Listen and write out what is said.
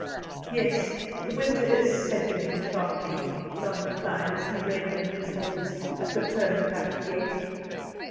"Yes, the winter is setting in sharply," John replied, as he reined in his horses at the turnpike gate.